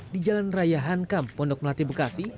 di jalan raya hankam pondok melati bekasi